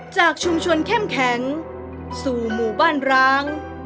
จากชุมชนเข้มแข็งสู่หมู่บ้านร้าง